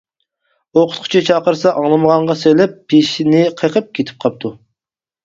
ئوقۇتقۇچى چاقىرسا ئاڭلىمىغانغا سېلىپ پېشىنى قېقىپ كېتىپ قاپتۇ.